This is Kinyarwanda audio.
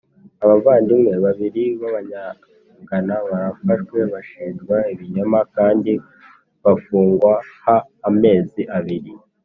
Abavandimwe babiri b Abanyagana barafashwe bashinjwa ibinyoma kandi bafungwa ha amezi abiri